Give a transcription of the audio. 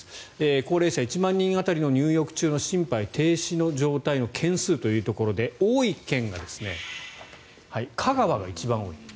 高齢者１万人当たりの入浴中の心肺停止の状態の件数というところで多い県が香川が一番多い。